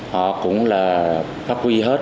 họ cũng là phát huy hết